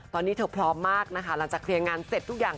ตอนนี้เธอพร้อมมากนะคะหลังจากเคลียร์งานเสร็จทุกอย่าง